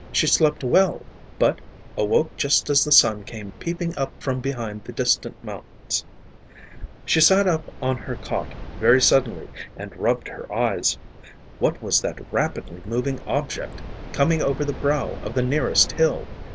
She slept well, but awoke just as the sun came peeping up from behind the distant mountains. She sat up on her cot very suddenly and rubbed her eyes. What was that rapidly moving object coming over the brow of the nearest hill?